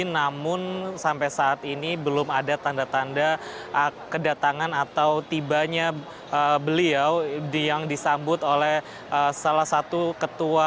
namun sampai saat ini belum ada tanda tanda kedatangan atau tibanya beliau yang disambut oleh salah satu ketua